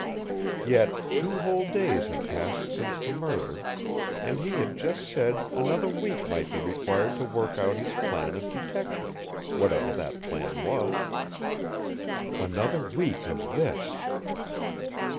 Yet, two whole days had passed since the murder, and he had just said another week might be required to work out his plan of detection whatever that plan was. Another week of this!